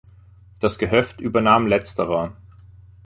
Das Gehöft übernahm letzterer.